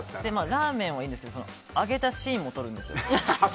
ラーメンはいいんですけど上げたシーンを撮るんですよ。